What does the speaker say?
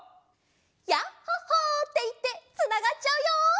「ヤッホ・ホー」っていってつながっちゃうよ！